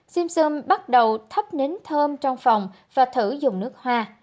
simpson bắt đầu thắp nín thơm trong phòng và thử dùng nước hoa